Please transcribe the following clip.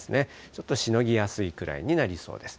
ちょっとしのぎやすいくらいになりそうです。